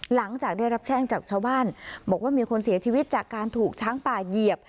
หลังจากได้รับแจ้งจากชาวบ้านบอกว่ามีคนเสียชีวิตจากการถูกช้างป่าเหยียบ